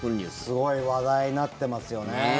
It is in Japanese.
すごい話題になってますよね。